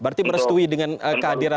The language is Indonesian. berarti merestui dengan kehadiran